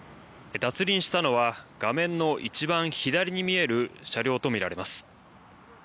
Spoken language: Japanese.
脱輪したのは画面の一番左に見える車両とみられます。